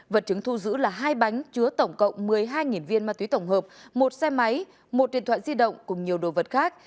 vật chứng thu giữ là hai bánh chứa tổng cộng một mươi hai viên ma túy tổng hợp một xe máy một điện thoại di động cùng nhiều đồ vật khác